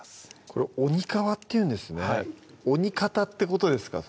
これ鬼皮っていうんですね「鬼かた」ってことですか？